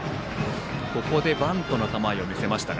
ここでバントの構えを見せました。